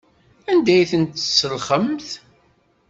Anda ay tent-tselxemt?